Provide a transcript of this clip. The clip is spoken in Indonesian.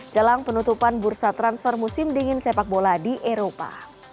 jelang penutupan bursa transfer musim dingin sepak bola di eropa